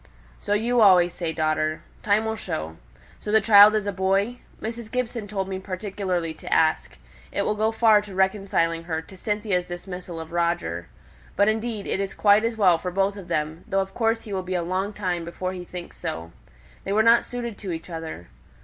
"So you always say, daughter. Time will show. So the child is a boy? Mrs. Gibson told me particularly to ask. It will go far to reconciling her to Cynthia's dismissal of Roger. But indeed it is quite as well for both of them, though of course he will be a long time before he thinks so. They were not suited to each other.